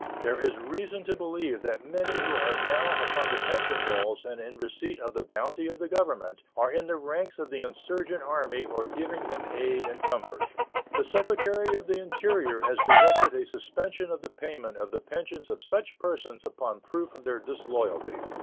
There is reason to believe that many who are now upon the pension rolls and in receipt of the bounty of the Government are in the ranks of the insurgent army or giving them aid and comfort. The Secretary of the Interior has directed a suspension of the payment of the pensions of such persons upon proof of their disloyalty.